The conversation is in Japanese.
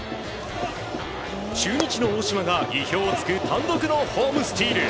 中日の大島が意表を突く単独のホームスチール。